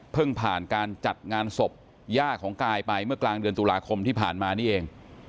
ผ่านการจัดงานศพย่าของกายไปเมื่อกลางเดือนตุลาคมที่ผ่านมานี่เอง